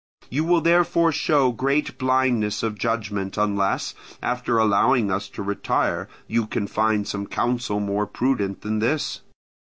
You will therefore show great blindness of judgment, unless, after allowing us to retire, you can find some counsel more prudent than this.